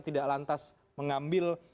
tidak lantas mengambil